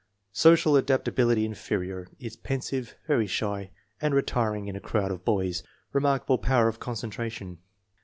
Social adaptability inferior. Is pensive, very shy, and retiring in a crowd of boys. Remarkable power of concentration.